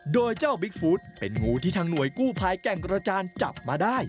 โดยเจ้าบิ๊กฟู้ดเป็นงูที่ทางหน่วยกู้ภัยแก่งกระจานจับมาได้